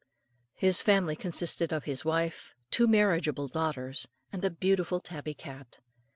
His family consisted of his wife, two marriageable daughters, and a beautiful tabby cat.